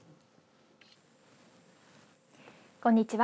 こんにちは。